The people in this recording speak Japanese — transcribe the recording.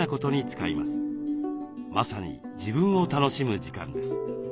まさに自分を楽しむ時間です。